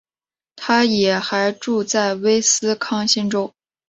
她也还住在威斯康星州。